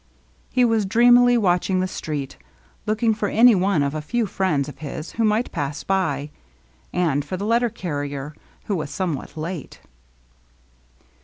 He was dreamily watching the street, looking for any one of a few friends of his who might pass by, and for the letter carrier, who was somewhat late.